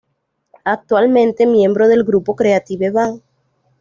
Actualmente miembro del grupo Creative Band.